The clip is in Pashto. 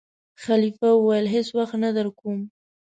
خلیفه وویل: هېڅ وخت نه درکووم.